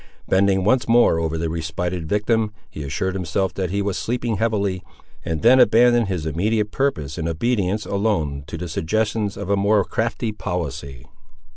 Bending once more over the respited victim, he assured himself that he was sleeping heavily, and then abandoned his immediate purpose in obedience alone to the suggestions of a more crafty policy.